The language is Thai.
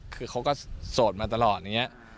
คือเขาก็โสดมาตลอดอย่างนี้